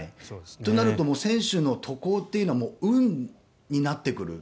となると選手の渡航は運になってくる。